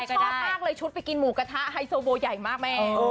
ชอบมากเลยชุดไปกินหมูกระทะไฮโซโบใหญ่มากแม่